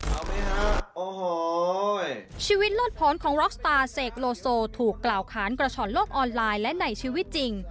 เอาไหมฮะโอ้โหชีวิตรอดผลของล็อกสตาร์เสกโลโซถูกกล่าวขานกระฉ่อนโลกออนไลน์และในชีวิตจริง